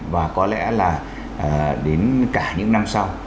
và có lẽ là đến cả những năm sau